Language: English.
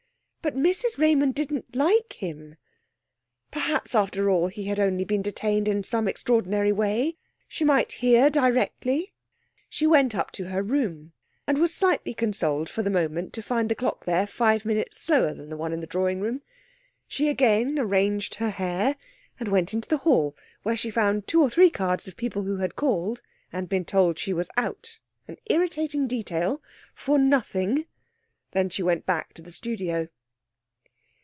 But Mrs Raymond didn't like him.... Perhaps, after all, he had only been detained in some extraordinary way, she might hear directly.... She went up to her room, and was slightly consoled for the moment to find the clock there five minutes slower than the one in the drawing room. She again arranged her hair and went into the hall, where she found two or three cards of people who had called, and been told she was out an irritating detail for nothing! Then she went back to the studio.